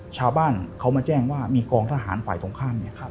ชาวบ้านเขามาแจ้งว่ามีกองทหารฝ่ายตรงข้ามเนี่ย